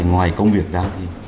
ngoài công việc ra